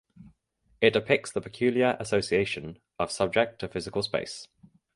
It depicts the peculiar association of subject to physical space.